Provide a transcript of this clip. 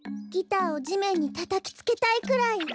ギターをじめんにたたきつけたいくらい。